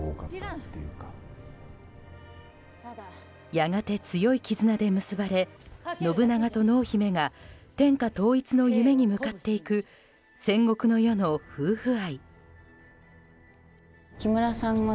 やがて強い絆で結ばれ信長と濃姫が天下統一の夢に向かっていく戦国の世の夫婦愛。